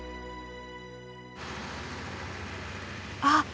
あ！